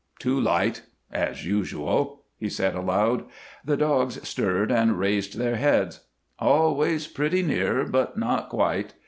"Too light as usual," he said, aloud. The dogs stirred and raised their heads. "Always pretty near, but not quite.